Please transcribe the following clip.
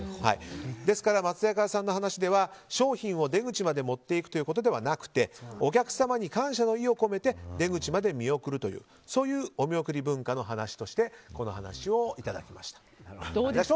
ですから、松坂屋さんの話では商品を出口まで持っていくということではなくてお客様に感謝の意を込めて出口まで見送るというそういうお見送り文化の話としてこの話をいただきました。